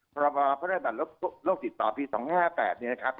พระบาปรับดังโรคติดต่อปี๒๕๕๘